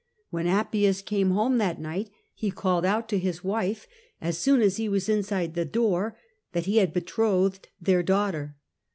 When Appius came home that night, he called out to his wife, as soon as he was inside the door, that he had betrothed their daughter.